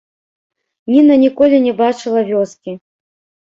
Ніна ніколі не бачыла вёскі.